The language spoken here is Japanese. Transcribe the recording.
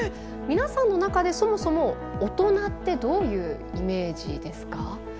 皆さんの中でそもそも大人ってどういうイメージですか？